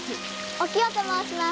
おきよと申します。